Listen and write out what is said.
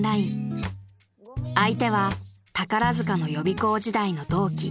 ［相手は宝塚の予備校時代の同期］